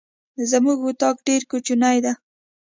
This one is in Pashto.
زمونږ اطاق ډير کوچنی ده.